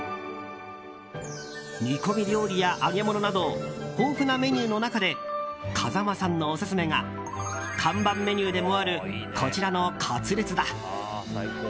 煮込み料理や揚げ物など豊富なメニューの中で風間さんのオススメが看板メニューでもあるこちらのカツレツだ。